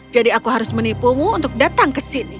jadi aku harus menipumu untuk datang ke sini